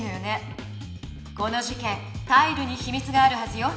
この事けんタイルにひみつがあるはずよ。